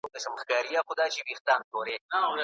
د ټولنې خدمت کول یو ستر عبادت دی.